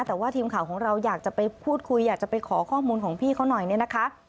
แต่ว่าทีมข่าวของเราอยากจะไปพูดคุยอยากจะไปขอข้อมูลของพี่เขาหน่อยเนี่ยนะคะ